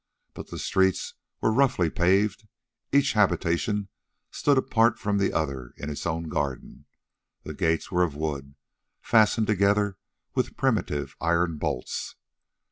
But the streets were roughly paved; each habitation stood apart from the other in its own garden, and the gates were of wood, fastened together with primitive iron bolts.